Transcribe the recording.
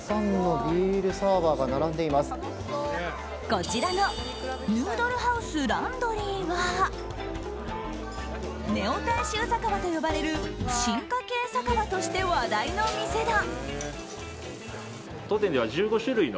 こちらのヌードルハウスランドリーはネオ大衆酒場と呼ばれる進化系酒場として話題の店だ。